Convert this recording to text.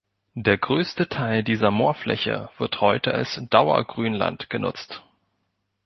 Der größte Teil dieser Moorfläche wird heute als Dauergrünland genutzt.